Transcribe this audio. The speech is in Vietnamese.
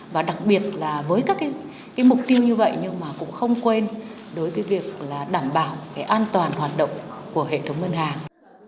và đặc biệt là với các mục tiêu như vậy nhưng mà cũng không quên đối với việc đảm bảo an toàn hoạt động của hệ thống ngân hàng